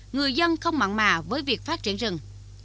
người dân không mặn mà với việc phát triển rừng